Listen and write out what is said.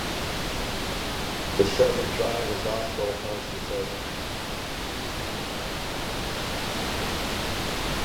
The second try was also unsuccessful.